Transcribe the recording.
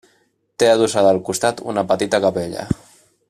Té adossada al costat una petita capella.